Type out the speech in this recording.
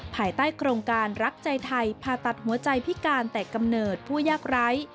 ภายใต้โครงการรักใจไทยผ่าตัดหัวใจพิการแต่กำเนิดผู้ยากไร้